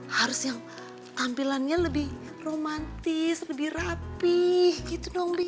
harus yang tampilannya lebih romantis lebih rapih gitu dong